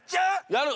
やる。